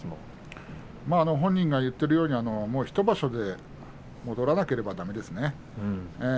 本人も何言ってるように１場所で幕内に戻らなければだめですね。